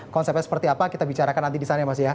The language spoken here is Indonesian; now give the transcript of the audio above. konsepnya seperti apa kita bicarakan nanti di sana ya mas ya